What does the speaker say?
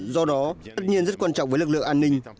do đó tất nhiên rất quan trọng với lực lượng an ninh